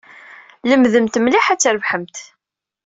Lemdemt mliḥ ad trebḥemt.